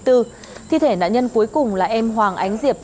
thi thể nạn nhân cuối cùng là em hoàng ánh diệp